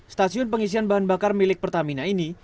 stasiun pengisian bahan bakar milik pertamina ini